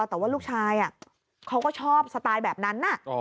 แต่ว่าลูกชายเขาก็ชอบสไตล์แบบนั้น